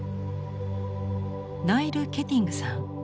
ナイル・ケティングさん。